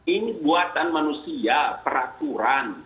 ini buatan manusia peraturan